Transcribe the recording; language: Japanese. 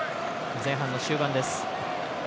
前半の終盤です。